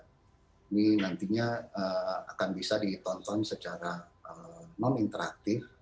ini nantinya akan bisa ditonton secara non interaktif